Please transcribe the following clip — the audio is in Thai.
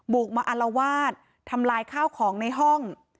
กมาอารวาสทำลายข้าวของในห้อง